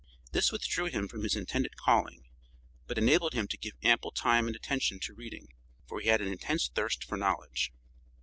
This withdrew him from his intended calling, but enabled him to give ample time and attention to reading, for he had an intense thirst for knowledge.